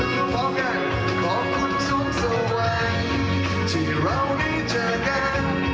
ขอบคุณทุกสวัสดีที่เราได้เจอกัน